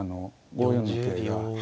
５四の桂が。